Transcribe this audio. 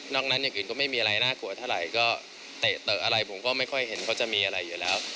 นั้นอย่างอื่นก็ไม่มีอะไรน่ากลัวเท่าไหร่ก็เตะอะไรผมก็ไม่ค่อยเห็นเขาจะมีอะไรอยู่แล้ว